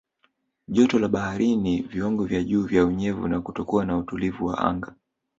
Joto la baharini viwango vya juu vya unyevu na kutokuwa na utulivu wa anga